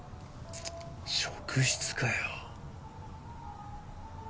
職質かよ。